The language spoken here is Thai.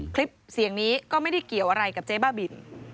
คลิปเสียงนี้ก็ไม่ได้เกี่ยวอะไรกับเจ๊บ้าบิน